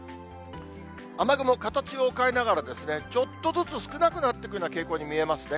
雨雲、形を変えながら、ちょっとずつ少なくなっていくような傾向に見えますね。